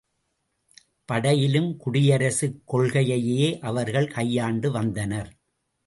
படையிலும் குடியரசுக் கொள்கையையே அவர்கள் கையாண்டு வந்தனர்.